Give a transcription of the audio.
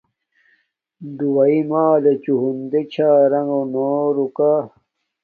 دݸئی مݳلݺ چُݸ ہُندے ڞݳ رݣݸ نݸ رݸکݳ.